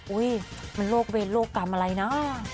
อุ๊ยมันโรคเวรโรคกรรมอะไรนะ